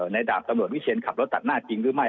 ดาบตำรวจวิเชียนขับรถตัดหน้าจริงหรือไม่